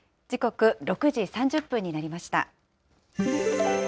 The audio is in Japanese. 時刻、６時３０分になりました。